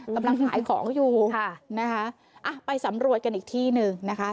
กำลังขายของอยู่ค่ะนะคะอ่ะไปสำรวจกันอีกที่หนึ่งนะคะ